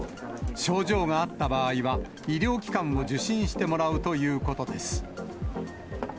症状があった場合は、医療機関を受診してもらうということです。